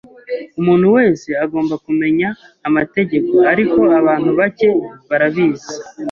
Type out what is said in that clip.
Umuntu wese agomba kumenya amategeko, ariko abantu bake barabizi.